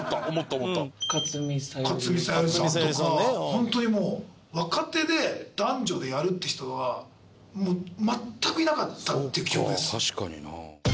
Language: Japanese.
本当にもう若手で男女でやるって人は全くいなかったっていう記憶です。